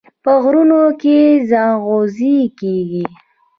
په غرونو کې ځنغوزي کیږي.